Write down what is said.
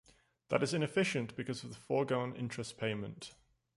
That is inefficient because of the foregone interest payment.